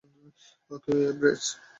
ওকে, ব্রেয।